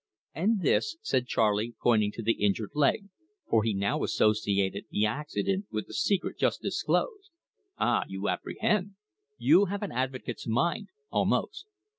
"And this?" said Charley, pointing to the injured leg, for he now associated the accident with the secret just disclosed. "Ah, you apprehend! You have an avocat's mind almost.